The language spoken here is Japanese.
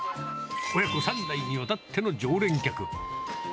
親子３代にわたっての常連客。